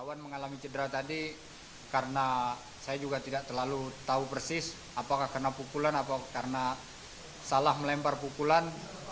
korban mengalami cedera tadi karena saya juga tidak terlalu tahu persis apakah karena pukulan apakah karena salah melempar pukulan